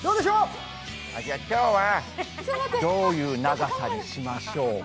今日はどういう長さにしましょうか。